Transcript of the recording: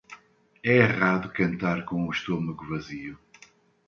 É errado cantar com o estômago vazio.